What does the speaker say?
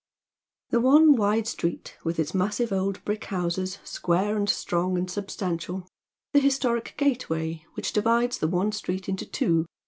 The one wide street, with its massive old brick houses, square, and strong, and substantial — the historic gateway, which divides the one street into two.